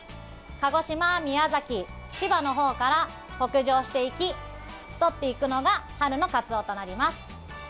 鹿児島、宮崎、千葉のほうから北上していき、太っていくのが春のカツオとなります。